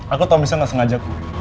aku tau misal gak sengaja kok